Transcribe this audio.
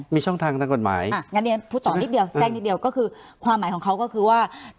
มีช่องทางนักกฎหมายงั้นเรียนพูดต่อนิดเดียวแทรกนิดเดียวก็คือความหมายของเขาก็คือว่า